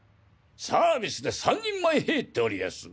サービスで３人前入っておりやす。